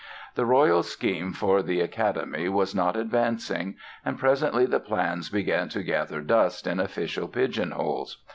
The royal scheme for the Academy was not advancing and presently the plans began to gather dust in official pigeon holes.